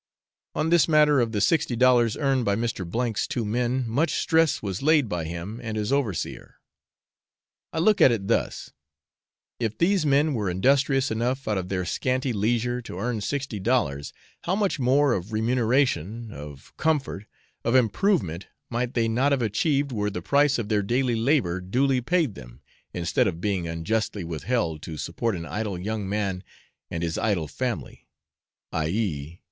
On this matter of the sixty dollars earned by Mr. 's two men much stress was laid by him and his overseer. I look at it thus: if these men were industrious enough out of their scanty leisure to earn sixty dollars, how much more of remuneration, of comfort, of improvement might they not have achieved were the price of their daily labour duly paid them, instead of being unjustly withheld to support an idle young man and his idle family i.e.